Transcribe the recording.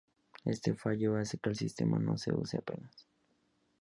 Este fallo hace que el sistema no se use apenas.